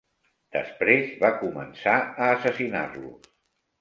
Després va començar a assassinar-los.